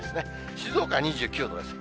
静岡２９度です。